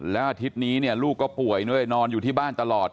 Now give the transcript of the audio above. แล้วอาทิตย์นี้เนี่ยลูกก็ป่วยด้วยนอนอยู่ที่บ้านตลอด